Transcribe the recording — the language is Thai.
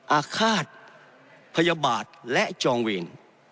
อาฆาตพยาบาทและจองเวร